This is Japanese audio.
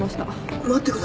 待ってください。